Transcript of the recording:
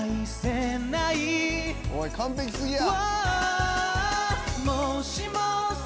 おい完璧過ぎや。